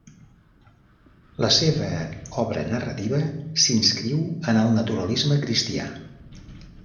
La seva obra narrativa s'inscriu en el naturalisme cristià.